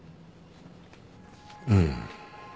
うん。